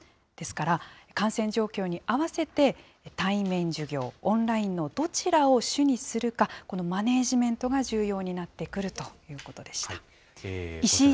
ですから、感染状況に合わせて対面授業、オンラインのどちらを主にするか、このマネージメントが重要になってくるということでした。